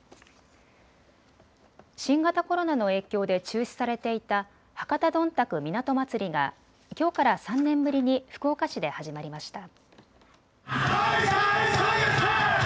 新型コロナの影響で中止されていた博多どんたく港まつりがきょうから３年ぶりに福岡市で始まりました。